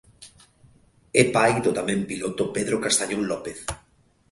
É pai do tamén piloto Pedro Castañón López.